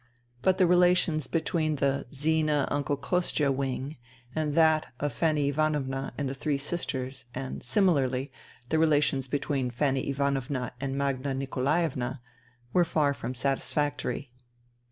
But the relations between the Zina Uncle Kostia wing and that of Fanny Ivanovna and the three sisters, and similarly, the relations between Fanny Ivanovna and Magda Nikolaevna, were far from satisfactory.